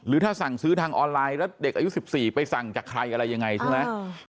ถ้าสั่งซื้อทางออนไลน์แล้วเด็กอายุ๑๔ไปสั่งจากใครอะไรยังไงใช่ไหม